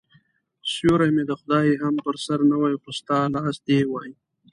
سیوری مې د خدای هم په سر نه وای خو ستا لاس دي وای